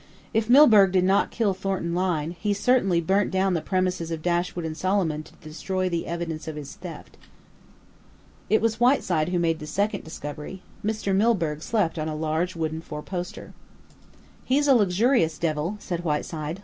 If Milburgh did not kill Thornton Lyne, he certainly burnt down the premises of Dashwood and Solomon to destroy the evidence of his theft." It was Whiteside who made the second discovery. Mr. Milburgh slept on a large wooden four poster. "He's a luxurious devil," said Whiteside.